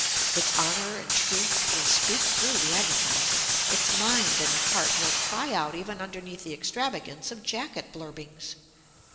Its honour and truth will speak through the advertising. Its mind and heart will cry out even underneath the extravagance of jacket blurbings.